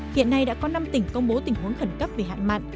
hiện nay đã có năm tỉnh công bố tình huống khẩn cấp về hạn mặn